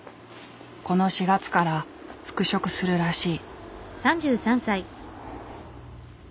この４月から復職するらしい。